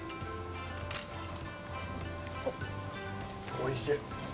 おいしい。